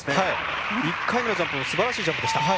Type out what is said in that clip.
１回目のジャンプもすばらしいジャンプでした。